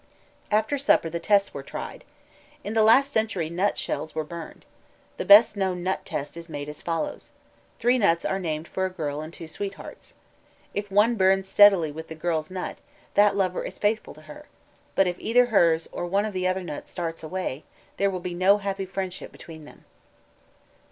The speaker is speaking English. After supper the tests were tried. In the last century nut shells were burned. The best known nut test is made as follows: three nuts are named for a girl and two sweethearts. If one burns steadily with the girl's nut, that lover is faithful to her, but if either hers or one of the other nuts starts away, there will be no happy friendship between them.